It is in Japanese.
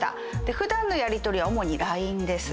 普段のやりとりは主にＬＩＮＥです。